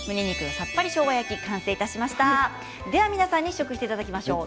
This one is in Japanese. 皆さんに試食していただきましょう。